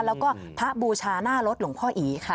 แล้วก็พระบูชาหน้ารถหลวงพ่ออีค่ะ